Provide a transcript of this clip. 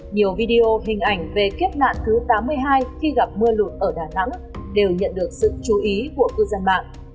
nhiều video hình ảnh về kiếp nạn thứ tám mươi hai khi gặp mưa lụt ở đà nẵng đều nhận được sự chú ý của cư dân mạng